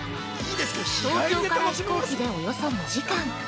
東京から飛行機でおよそ２時間。